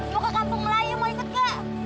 mau ke kampung melayu